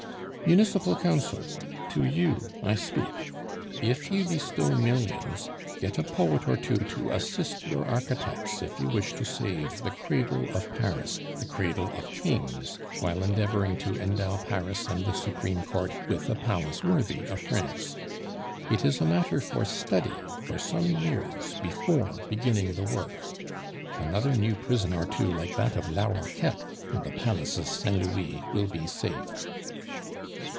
Municipal Council (to you I speak), if you bestow millions, get a poet or two to assist your architects if you wish to save the cradle of Paris, the cradle of kings, while endeavoring to endow Paris and the Supreme Court with a palace worthy of France. It is a matter for study for some years before beginning the work. Another new prison or two like that of La Roquette, and the palace of Saint Louis will be safe.